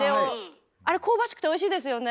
あれ香ばしくておいしいですよね。